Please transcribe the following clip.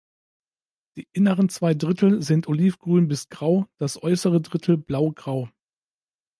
Die inneren zwei Drittel sind olivgrün bis grau, das äußere Drittel blaugrau.